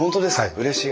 うれしい！